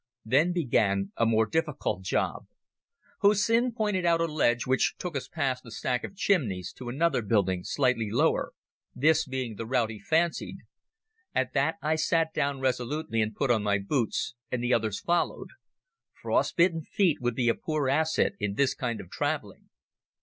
Then began a more difficult job. Hussin pointed out a ledge which took us past a stack of chimneys to another building slightly lower, this being the route he fancied. At that I sat down resolutely and put on my boots, and the others followed. Frost bitten feet would be a poor asset in this kind of travelling.